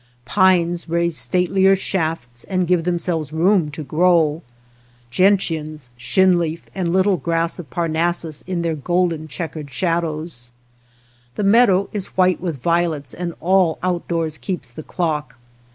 Pines raise statelier shafts and give them selves room to grow, — gentians, shinleaf, and little grass of Parnassus in their golden checkered shadows ; the meadow is white with violets and all outdoors keeps the clock.